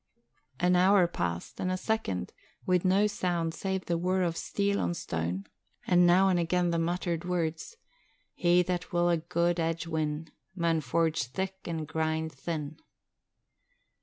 An hour passed, and a second, with no sound save the whir of steel on stone and now and again the muttered words: 'He that will a guid edge win, Maun forge thick an' grind thin.'